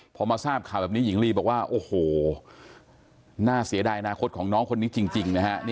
พอมาทราบข่าวแบบนี้หญิงลีบอกว่าโอ้โหน่าเสียดายอนาคตของน้องคนนี้จริงนะฮะ